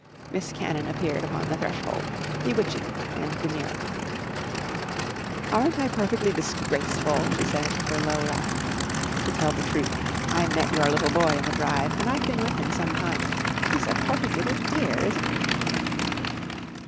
Miss Cannon appeared upon the threshold, bewitching and demure. "Aren't I perfectly disgraceful?" she said with her low laugh. "To tell the truth, I met your little boy in the drive and I've been with him some time. He's a perfect little dear, isn't he?"